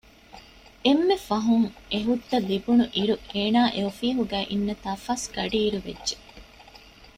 އެންމެ ފަހުން އެ ހުއްދަ ލިބުނުއިރު އޭނާ އެ އޮފީހުގައި އިންނަތާ ފަސްގަޑިއިރު ވެއްޖެ